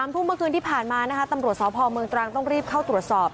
ทุ่มเมื่อคืนที่ผ่านมานะคะตำรวจสพเมืองตรังต้องรีบเข้าตรวจสอบ